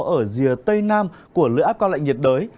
ở rìa tây nam của lưỡi áp cao lạnh nhiệt đới